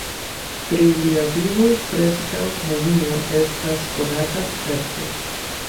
Pri lia vivo preskaŭ nenio estas konata certe.